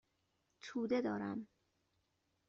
توده دارم.